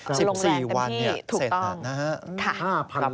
ลงแรงกันพี่ถูกต้องสิบสี่วันเสร็จนะฮะนะฮะ